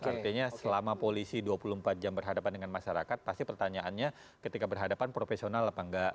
artinya selama polisi dua puluh empat jam berhadapan dengan masyarakat pasti pertanyaannya ketika berhadapan profesional apa enggak